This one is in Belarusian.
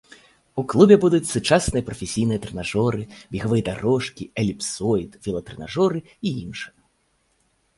У клубе будуць сучасныя прафесійныя трэнажоры, бегавыя дарожкі, эліпсоід, велатрэнажоры і іншае.